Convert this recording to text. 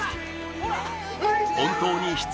ほら！